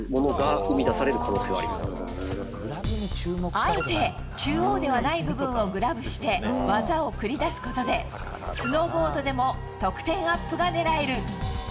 あえて、中央ではない部分をグラブして技を繰り出すことでスノーボードでも得点アップが狙える。